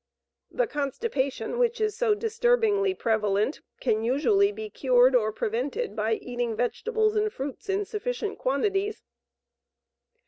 The constipation which is so disturbingly prevalent can usually be cured or prevented by eating vegetables and fruits in sufficient quantities.